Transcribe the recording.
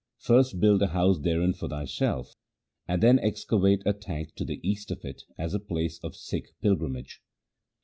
First build a house therein for thyself, and then excavate a tank to the east of it as a place of Sikh pilgrimage.'